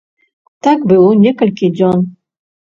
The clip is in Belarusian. Так было некалькі дзён.